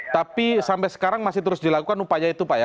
tapi sampai sekarang masih terus dilakukan upaya itu pak ya